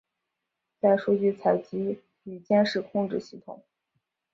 在数据采集与监视控制系统。